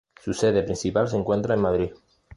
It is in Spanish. Su sede principal se encuentra en Madrid.